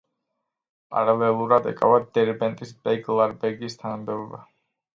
პარალელურად ეკავა დერბენტის ბეგლარბეგის თანამდებობა.